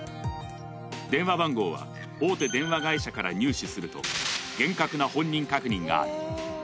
電話番号は大手電話会社から入手すると厳格な本人確認がある。